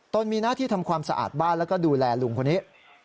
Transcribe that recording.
มีหน้าที่ทำความสะอาดบ้านแล้วก็ดูแลลุงคนนี้